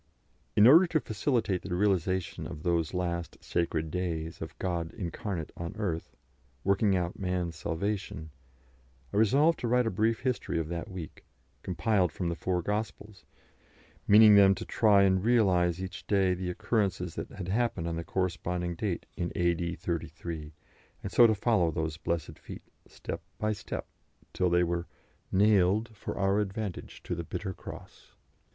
In order to facilitate the realisation of those last sacred days of God incarnate on earth, working out man's salvation, I resolved to write a brief history of that week, compiled from the Four Gospels, meaning them to try and realise each day the occurrences that had happened on the corresponding date in A.D. 33, and so to follow those "blessed feet" step by step, till they were "... nailed for our advantage to the bitter cross."